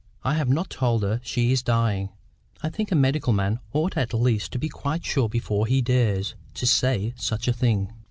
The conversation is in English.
I have not told her she is dying. I think a medical man ought at least to be quite sure before he dares to say such a thing.